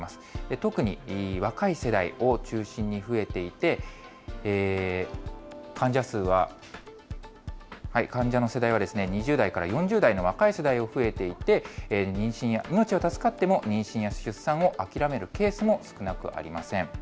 特に若い世代を中心に増えていて、患者数は患者の世代は、２０代から４０代の若い世代が増えていて、命が助かっても、妊娠や出産を諦めるケースも少なくありません。